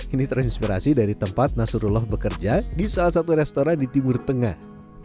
ini terinspirasi dari tempat nasrullah bekerja di salah satu restoran di timur tengah